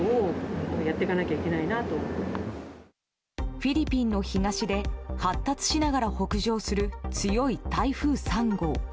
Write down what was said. フィリピンの東で発達しながら北上する強い台風３号。